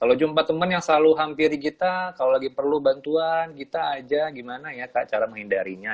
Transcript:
kalau jumpa teman yang selalu hampiri kita kalau lagi perlu bantuan kita aja gimana ya kak cara menghindarinya